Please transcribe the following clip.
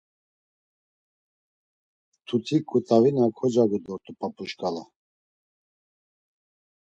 Mtuti ǩut̆avina kocagu dort̆u p̌ap̌u şǩala.